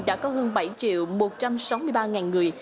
đã có hơn bảy triệu một trăm sáu mươi ba ngàn người